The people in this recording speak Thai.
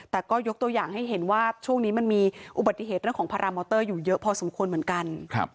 แต่ก็ยกตัวอย่างให้เห็นว่าช่วงนี้มันมีอุบัติเหตุเรื่องของพารามอเตอร์อยู่เยอะพอสมควรเหมือนกัน